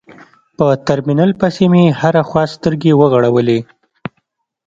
په ترمينل پسې مې هره خوا سترګې وغړولې.